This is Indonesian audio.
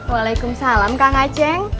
waalaikumsalam kang aceng